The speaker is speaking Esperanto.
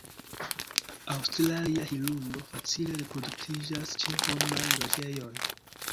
Aŭstralia hirundo facile reproduktiĝas ĉe homaj loĝejoj.